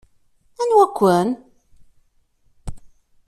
Anwa-ken?